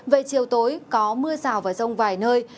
về chiều tối có mưa rào và rông vài nơi